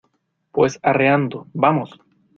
pues arreando. vamos .